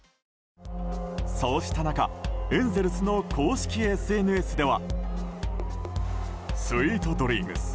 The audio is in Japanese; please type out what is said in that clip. そうした中エンゼルスの公式ＳＮＳでは。